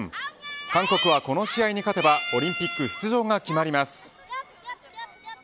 韓国はこの試合に勝てばオリンピック出場が決まります。